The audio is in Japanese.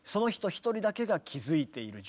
一人だけが気づいている状態。